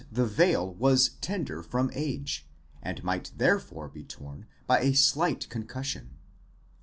the veil was tender from age, and might therefore be torn by a slight con cussion.